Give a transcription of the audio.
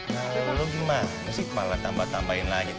kalau lo gimana sih malah tambah tambahin lagi